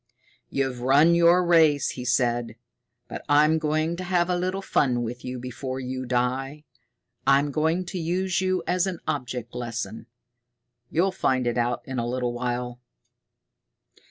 "You've run your race," he said. "But I'm going to have a little fun with you before you die. I'm going to use you as an object lesson. You'll find it out in a little while."